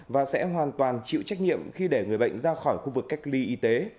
và sẽ hoàn toàn chịu trách nhiệm khi để người bệnh ra khỏi khu vực cách ly y tế